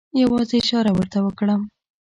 یوازې اشاره ورته وکړم.